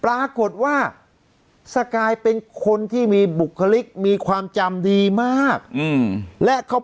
ปรากฏว่าสกายเป็นคนที่มีบุคลิกมีความจำดีมากอืมและเขา